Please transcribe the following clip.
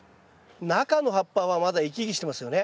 中の葉っぱはまだ生き生きしてますよね？